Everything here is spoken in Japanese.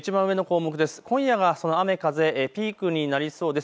今夜がその雨風ピークになりそうです。